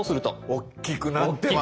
おっきくなってます